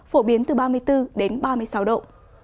phổ biến từ ba mươi bốn đến ba mươi sáu độ